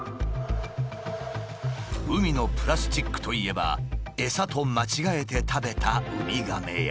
海のプラスチックといえば餌と間違えて食べたウミガメや。